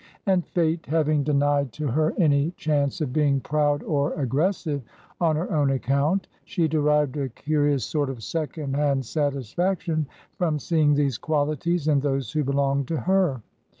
And fate having denied to her any chance of being proud or aggressive on her own account, she derived a curious sort of second hand satisfaction from seeing these qualities in those who belonged to her.